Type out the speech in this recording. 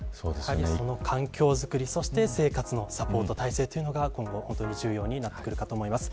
環境づくり生活のサポート体制というのが今後、本当に重要になってくるかと思います。